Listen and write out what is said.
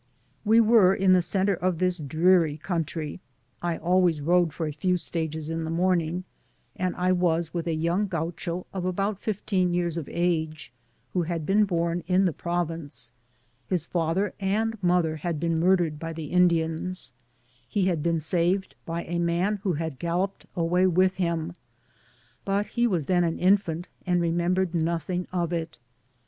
We were in the cent)*e of this dreary country — I always rode for a few stages in the morning, and I was with a young Gaucho of about fifteen years of age, who had been born iii the province — ^his father and mother had been murdered by the Indians — ^he had been saved by a man who had galloped away with him, but he was then an infant, and remem bered nothing of it.